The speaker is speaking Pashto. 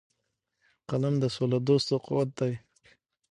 قلم د سولهدوستو قوت دی